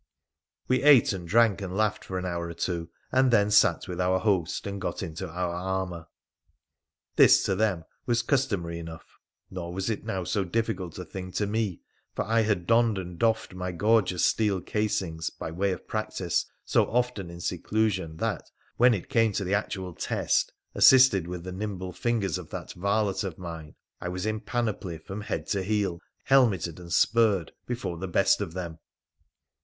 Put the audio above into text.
We ate and drank and laughed for an hour or two, and then settled with our host and got into our armour. This to them was customary enough, nor was it now so difficult a thing to me, for I had donned and doffed my gorgeous steel casings, by way of practice, so often in seclusion that, when it came to the actual test, assisted with the nimble fingers of that varlet of mine, I was in panoply from head to heel, helmeted aud spurred, before the best of them.